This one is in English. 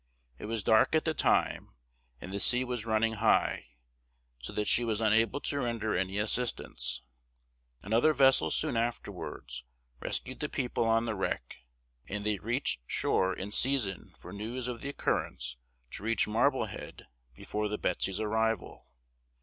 It was dark at the time, and the sea was running high, so that she was unable to render any assistance. Another vessel soon afterwards rescued the people on the wreck, and they reached shore in season for news of the occurrence to reach Marblehead before the Betsy's arrival.